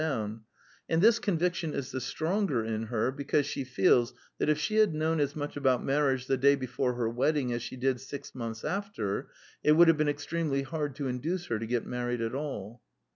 44 '^bc Quintessence of Ibsenism And this conviction is the stronger in her because she feels that if she had known as much about marriage the day before her wedding as she did six months after, it would have been extreniely hard to induce her to get married at all.